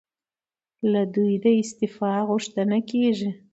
له دوی د استعفی غوښتنه کېږي.